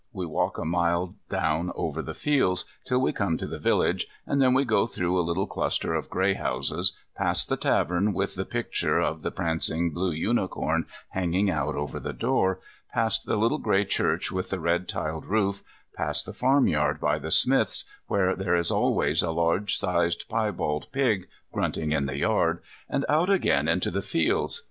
We walk a mile down over the fields, till we come to the village, and then we go through a little cluster of grey houses, past the tavern with the the picture of the prancing Blue Unicorn hanging out over the door, past the little grey church with the red tiled roof, past the farmyard by the smith's, where there is always a large sized piebald pig grunting in the yard, and out again into the fields.